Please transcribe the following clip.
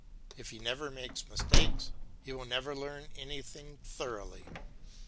If he never makes mistakes he will never learn anything thoroughly.